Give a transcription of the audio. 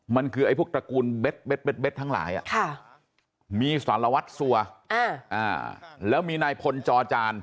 มันคือไอ้พวกตระกูลเบ็ดทั้งหลายมีสารวัตรสัวแล้วมีนายพลจอจาน